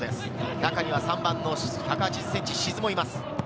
中には３番の１８０ｃｍ、志津もいます。